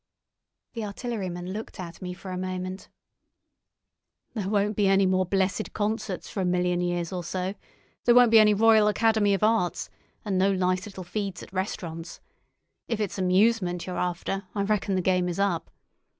The artilleryman looked at me for a moment. "There won't be any more blessed concerts for a million years or so; there won't be any Royal Academy of Arts, and no nice little feeds at restaurants. If it's amusement you're after, I reckon the game is up.